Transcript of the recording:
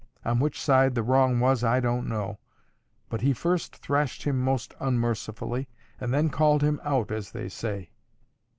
On which side the wrong was, I don't know. But he first thrashed him most unmercifully, and then called him out, as they say.